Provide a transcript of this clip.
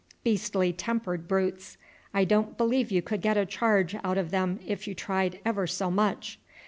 Beastly tempered brutes! I don't believe you could get a charge out of them if you tried ever so much."